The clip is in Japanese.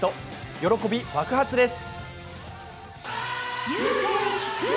喜び、爆発です。